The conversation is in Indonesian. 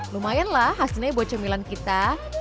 lumayan lah khasnya buat cemilan kita